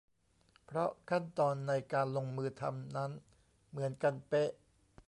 เพราะขั้นตอนในการลงมือทำนั้นเหมือนกันเป๊ะ